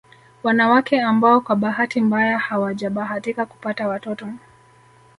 Wanawake ambao kwa bahati mbaya hawajabahatika kupata watoto